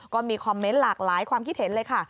ก็มีคอมเมนต์หลากหลายความคิดเห็นเลยค่ะ